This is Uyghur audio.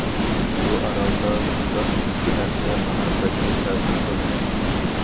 بۇ ئارالدا مۇنداق ئىككى نەرسە ماڭا بەكمۇ تەسىر قىلدى.